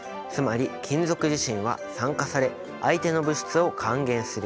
つまり金属自身は酸化され相手の物質を還元する。